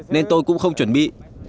nên tôi cũng không chuẩn bị